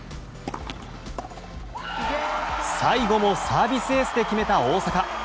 最後もサービスエースで決めた大坂。